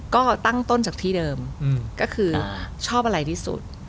ก็ตั้งต้นจากที่เดิมก็คือชอบอะไรที่สุด